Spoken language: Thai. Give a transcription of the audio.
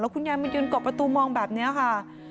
คุณยายมายืนเกาะประตูมองแบบนี้ค่ะ